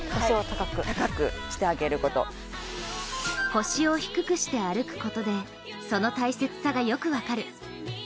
腰を低くして歩くことで、その大切さがよく分かる。